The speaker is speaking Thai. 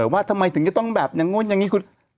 ว่าทำไมถึงจะต้องแบบอย่างนู้นอย่างนี้คุณ